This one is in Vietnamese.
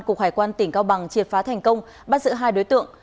cục hải quan tỉnh cao bằng triệt phá thành công bắt giữ hai đối tượng